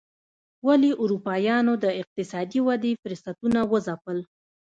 ولې اروپایانو د اقتصادي ودې فرصتونه وځپل.